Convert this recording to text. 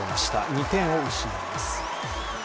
２点を失います。